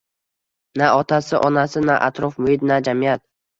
Na ota-onasi, na atrof muhit, na jamiyat